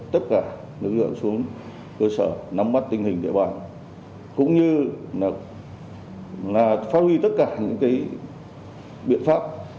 tất cả lực lượng xuống cơ sở nắm bắt tình hình địa bàn cũng như là phát huy tất cả những biện pháp